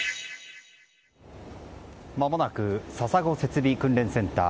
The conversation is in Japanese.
まもなく笹子設備訓練センター。